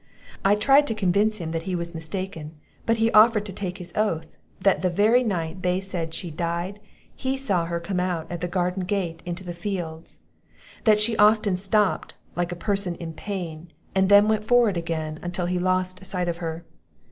I tried to convince him that he was mistaken; but he offered to take his oath, that the very night they said she died, he saw her come out at the garden gate into the fields; that she often stopped, like a person in pain, and then went forward again until he lost sight of her.